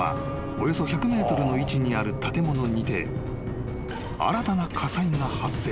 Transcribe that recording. およそ１００ｍの位置にある建物にて新たな火災が発生］